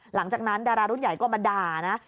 หลังจากนั้นดารารุ่นใหญ่ก็มาด่านะ